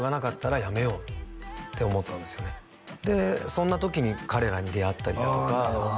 そんな時に彼らに出会ったりだとかああ